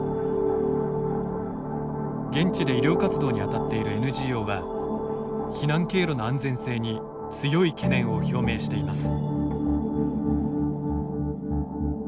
現地で医療活動に当たっているＮＧＯは避難経路の安全性に強い懸念を表明しています。